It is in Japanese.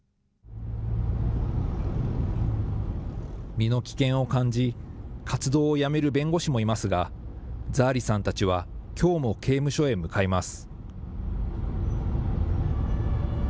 身の危険を感じ、活動をやめる弁護士もいますが、ザー・リさんたちは、きょうも刑務所へ向かいます。